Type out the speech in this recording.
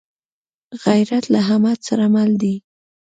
غیرت له همت سره مل دی